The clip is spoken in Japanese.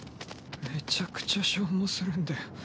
めちゃくちゃ消耗するんだよ